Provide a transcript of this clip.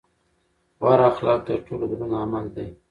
غوره اخلاق تر ټولو دروند عمل دی.